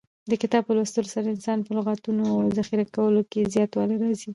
د کتاب په لوستلو سره د انسان په لغتونو او ذخیره کې زیاتوالی راځي.